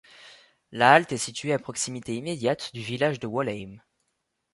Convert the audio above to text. La halte est située à proximité immédiate du village de Walheim.